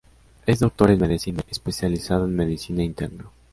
Es doctor en Medicina, especializado en Medicina interna.